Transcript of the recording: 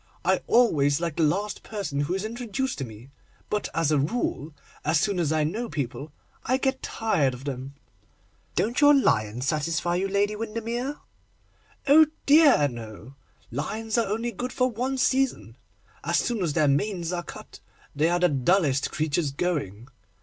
I always like the last person who is introduced to me; but, as a rule, as soon as I know people I get tired of them.' 'Don't your lions satisfy you, Lady Windermere?' 'Oh dear, no! lions are only good for one season. As soon as their manes are cut, they are the dullest creatures going.